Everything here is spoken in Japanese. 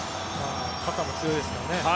肩も強いですからね。